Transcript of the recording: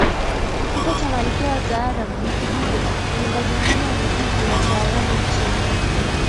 kifo cha malkia wa Taarab Bi Kidude Mwimbaji nguli wa muziki wa tarabu nchini